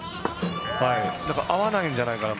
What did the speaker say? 合わないんじゃないかなと。